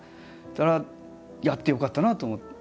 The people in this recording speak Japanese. だからやってよかったなと思って。